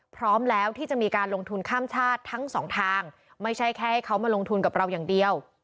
พร้อมแล้วที่จะมีการลงทุนข้ามชาติทั้งสองทางไม่ใช่แค่ให้เขามาลงทุนกับเราอย่างเดียว